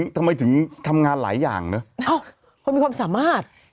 ทำไมถึงทำงานหลายอย่างเนอะคนมีความสามารถ